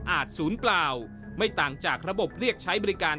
ศูนย์เปล่าไม่ต่างจากระบบเรียกใช้บริการ